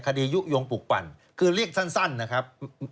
ยุโยงปลูกปั่นคือเรียกสั้นนะครับ